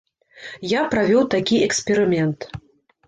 Я правёў такі эксперымент.